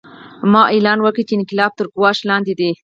ماوو اعلان وکړ چې انقلاب تر ګواښ لاندې دی.